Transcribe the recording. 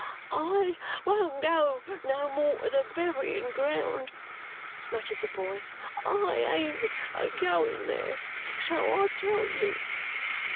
"I won't go no more to the berryin ground," muttered the boy; "I ain't a going there, so I tell you!"